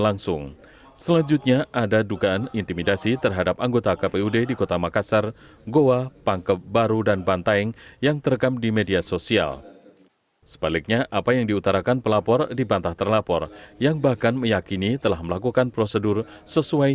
yang disertai dengan bukti bukti dan lain lainnya